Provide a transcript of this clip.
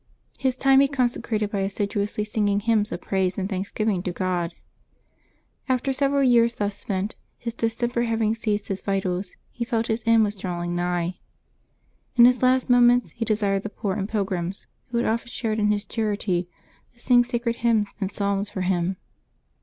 His time he consecrated by assidu ously singing hymns of praise and thanksgiving to God. After several years thus spent, his distemper having seized his vitals, he felt his end was drawing nigh. In his last moments he desired the poor and pilgrims, who had often shared in his charity, to sing sacred hjonns and psalms for him.